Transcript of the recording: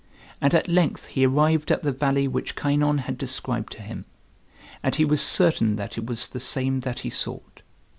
And at length he arrived at the valley which Kynon had described to him, and he was certain that it was the same that he sought.